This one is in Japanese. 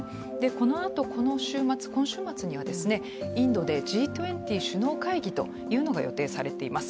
このあと、今週末にはインドでＧ２０首脳会議というのが予定されています。